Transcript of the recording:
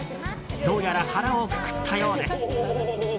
どうやら腹をくくったようです。